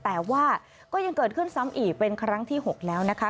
แต่ว่าก็ยังเกิดขึ้นซ้ำอีกเป็นครั้งที่๖แล้วนะคะ